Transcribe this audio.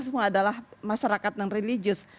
semua adalah masyarakat dan religion